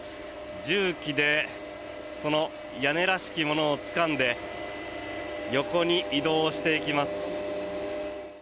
重機でその屋根らしきものをつかんで横に移動していきます。